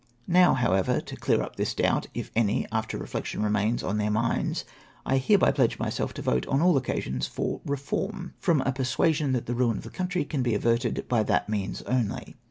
Now, however, to clear up this doubt, if any, after reflection, remains on their minds, I hereby pledge myself to vote on all occasions for Reform, from a persuasion that the ruin of the coiuitry can be averted by that means only.